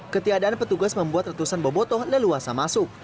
ketiadaan petugas membuat ratusan bobotoh leluasa masuk